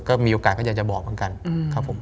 ก็มีโอกาสก็อยากจะบอกเหมือนกันครับผม